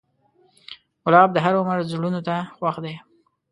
ګلاب د هر عمر زړونو ته خوښ دی.